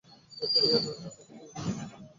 বিয়ের রাতে প্রথম বার বলেছিল।